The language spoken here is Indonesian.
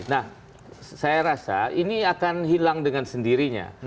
nah saya rasa ini akan hilang dengan sendirinya